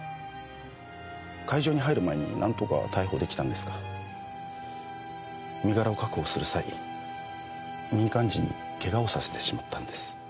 会場に入る前になんとか逮捕出来たんですが身柄を確保する際に民間人にケガをさせてしまったんです。